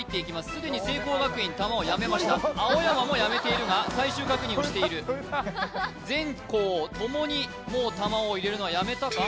すでに聖光学院玉をやめました青山もやめているが最終確認をしている全校共にもう玉を入れるのはやめたか？